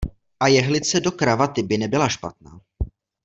A jehlice do kravaty by nebyla špatná.